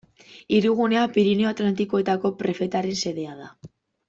Hirigunea Pirinio Atlantikoetako prefetaren xedea da.